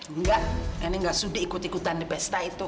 enggak ini enggak sudi ikut ikutan di pesta itu